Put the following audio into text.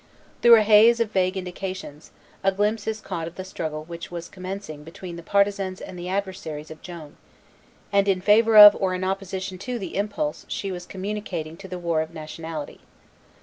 Through a haze of vague indications a glimpse is caught of the struggle which was commencing between the partisans and the adversaries of Joan, and in favor of or in opposition to the impulse she was communicating to the war of nationality.